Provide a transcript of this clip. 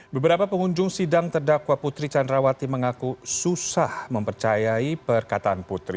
beberapa pengunjung sidang terdakwa putri candrawati mengaku susah mempercayai perkataan putri